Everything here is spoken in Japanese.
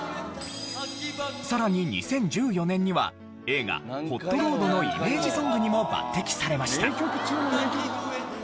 さらに２０１４年には映画『ホットロード』のイメージソングにも抜擢されました。